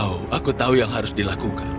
oh aku tahu yang harus dilakukan